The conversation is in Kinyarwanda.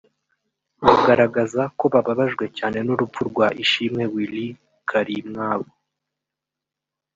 bagaragaza ko babajwe cyane n’urupfu rwa Ishimwe Willy Karimwabo